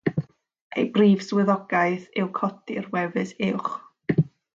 Ei brif swyddogaeth yw codi'r wefus uwch.